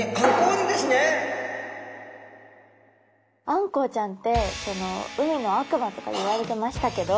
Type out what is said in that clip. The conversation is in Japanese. あんこうちゃんって海の悪魔とかいわれてましたけど。